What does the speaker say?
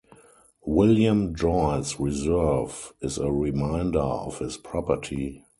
William Joyce Reserve is a reminder of his property.